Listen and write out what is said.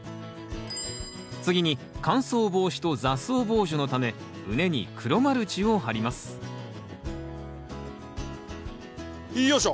次に乾燥防止と雑草防除のため畝に黒マルチを張りますよいしょ。